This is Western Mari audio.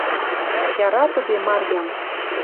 Яратыде Марьям.